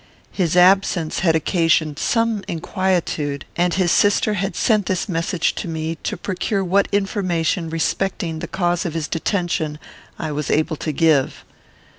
His absence had occasioned some inquietude, and his sister had sent this message to me, to procure what information respecting the cause of his detention I was able to give.